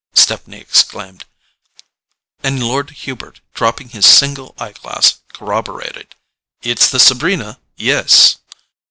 Stepney exclaimed; and Lord Hubert, dropping his single eye glass, corroborated: "It's the Sabrina—yes."